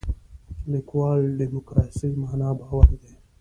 لیکوال دیموکراسي معنا باور دی.